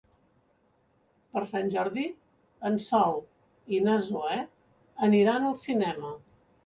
Per Sant Jordi en Sol i na Zoè aniran al cinema.